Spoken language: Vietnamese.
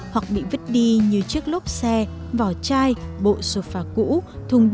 hoặc bị vứt đi như chiếc lốp xe vỏ chai bộ sofa cũ